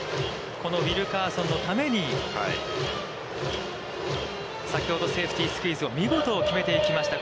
このウィルカーソンのために、先ほどセーフティースクイズを見事決めていきました